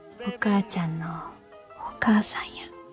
お母ちゃんのお母さんや。